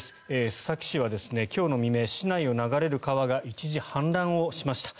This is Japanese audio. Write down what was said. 須崎市は今日の未明、市内を流れる川が一時氾濫をしました。